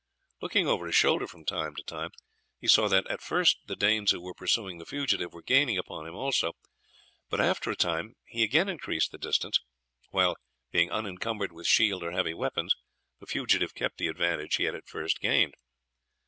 Looking over his shoulder from time to time he saw that at first the Danes who were pursuing the fugitive were gaining upon him also, but after a time he again increased the distance, while, being unencumbered with shield or heavy weapons, the fugitive kept the advantage he had at first gained.